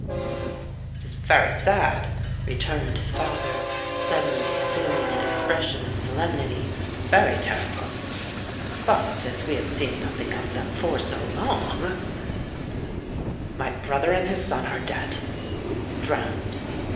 "It is very sad," returned his father, suddenly assuming an expression of solemnity, "very ter rible. But as we have seen nothing of them for so long — My brother and his son are dead —• drowned.